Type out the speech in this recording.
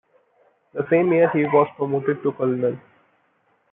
The same year he was promoted to colonel.